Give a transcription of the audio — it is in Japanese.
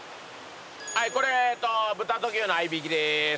はいこれ豚と牛の合いびきです。